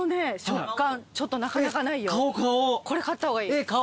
これ買った方がいい。